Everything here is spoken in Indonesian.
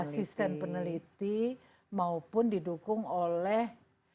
asisten peneliti maupun didukung oleh